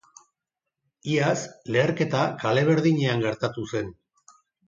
Iaz leherketa kale berdinean gertatu zen.